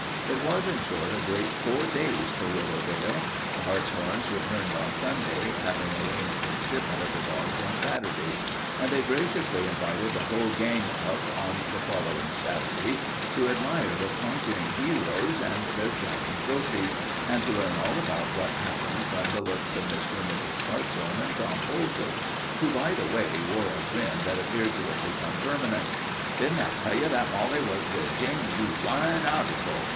It was, in short, a great four days for Willowdale. The Hartshorns returned on Sunday, having arranged for the shipment of the dogs on Saturday, and they graciously invited the whole gang up on the following Saturday to admire the conquering heroes and their shining trophies and to learn all about what happened from the lips of Mr. and Mrs. Hartshorn and Tom Poultice, who, by the way, wore a grin that appeared to have become permanent. "Didn't I tell you that Molly was the genooine harticle?"